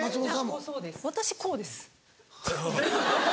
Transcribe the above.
私こうです。